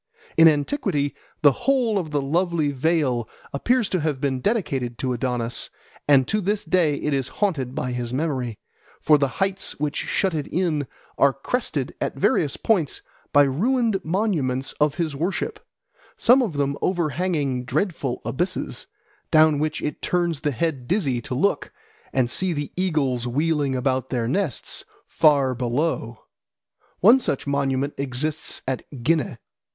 In antiquity the whole of the lovely vale appears to have been dedicated to Adonis, and to this day it is haunted by his memory; for the heights which shut it in are crested at various points by ruined monuments of his worship, some of them overhanging dreadful abysses, down which it turns the head dizzy to look and see the eagles wheeling about their nests far below. One such monument exists at Ghineh.